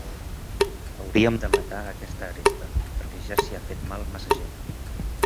Hauríem de matar aquesta aresta, perquè ja s'hi ha fet mal massa gent.